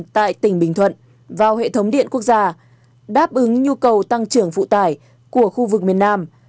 tại tỉnh bình thuận vào hệ thống điện quốc gia đáp ứng nhu cầu tăng trưởng phụ tải của khu vực miền nam